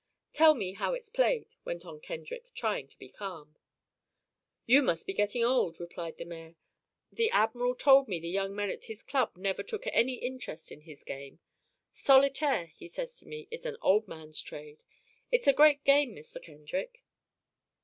"Tell me how it's played," went on Kendrick, trying to be calm. "You must be getting old," replied the mayor. "The admiral told me the young men at his club never took any interest in his game. 'Solitaire,' he says to me, 'is an old man's trade.' It's a great game, Mr. Kendrick."